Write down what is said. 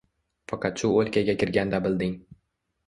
Faqat shu o’lkaga kirganda bilding